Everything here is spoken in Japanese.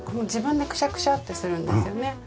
自分でくしゃくしゃってするんですよね。